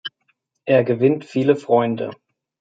Er gewinnt viele Freunde.